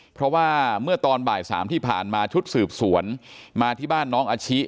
เพราะว่าเมื่อตอนบ่าย๓ที่ผ่านมาชุดสืบสวนมาที่บ้านน้องอาชิ